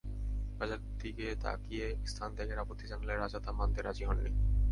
রাজার দিকে তাকিয়ে স্থান ত্যাগের আপত্তি জানালে রাজা তা মানতে রাজী হননি।